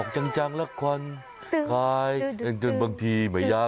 อย่าร้องเลยดีกว่า